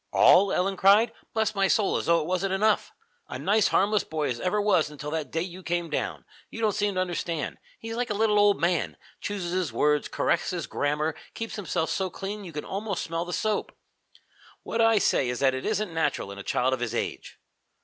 "All?" Ellen cried. "Bless my soul, as though it wasn't enough! A nice harmless boy as ever was until that day that you came down. You don't seem to understand. He's like a little old man. Chooses his words, corrects my grammar, keeps himself so clean you can almost smell the soap. What I say is that it isn't natural in a child of his age."